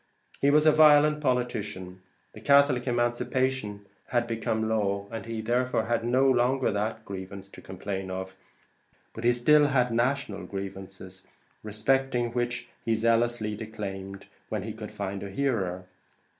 He was a violent politician; the Catholic Emancipation had become law, and he therefore had no longer that grievance to complain of; but he still had national grievances, respecting which he zealously declaimed, when he could find a hearer.